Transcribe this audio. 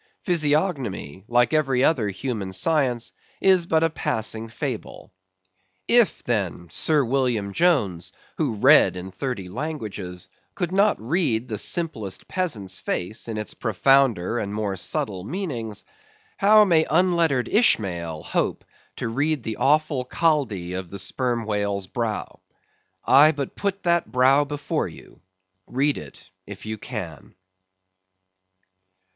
Physiognomy, like every other human science, is but a passing fable. If then, Sir William Jones, who read in thirty languages, could not read the simplest peasant's face in its profounder and more subtle meanings, how may unlettered Ishmael hope to read the awful Chaldee of the Sperm Whale's brow? I but put that brow before you. Read it if you can.